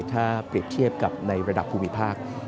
ถ้าเปรียบเทียบกับในระดับภูมิภาค